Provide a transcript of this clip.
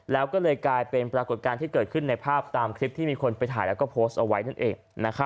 แล้วก็เลยกลายเป็นปรากฏการณ์ที่เกิดขึ้นในภาพตามคลิปที่มีคนไปถ่ายแล้วก็โพสต์เอาไว้นั่นเอง